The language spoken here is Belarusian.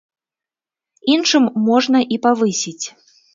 Іншым можна і павысіць.